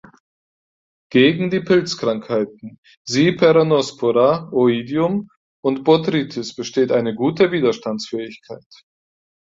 Gegen die Pilzkrankheiten sie Peronospora, Oidium und Botrytis besteht eine gute Widerstandsfähigkeit.